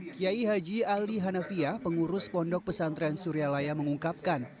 kiai haji ali hanafia pengurus pondok pesantren suryalaya mengungkapkan